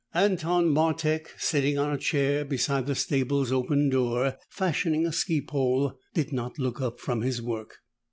Anton Martek, sitting on a chair beside the stable's open door, fashioning a ski pole, did not look up from his work.